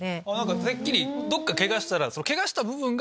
てっきりどっかケガしたら。